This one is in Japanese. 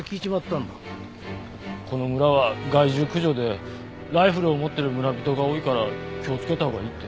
この村は害獣駆除でライフルを持ってる村人が多いから気をつけたほうがいいって。